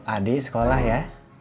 adik sekolah ya